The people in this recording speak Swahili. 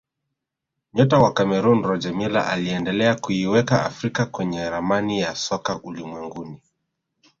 nyota wa cameroon roger miller aliendelea kuiweka afrika kwenye ramani ya soka ulimwenguni